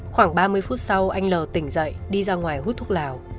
khoảng ba mươi phút sau anh l tỉnh dậy đi ra ngoài hút thuốc lào